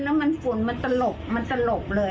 แล้วมันฝุ่นมันตลกเลย